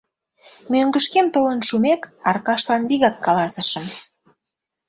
Мӧҥгышкем толын шумек, Аркашлан вигак каласышым: